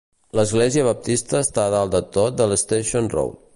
L'església baptista està a dalt de tot de Station Road.